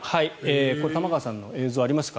これ、玉川さんの映像ありますか？